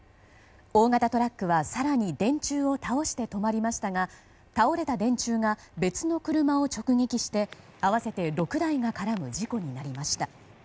大型トラックは更に電柱を倒して止まりましたが倒れた電柱が別の車を直撃して合わせて６台が絡む事故になりました。